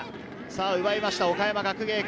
奪いました岡山学芸館。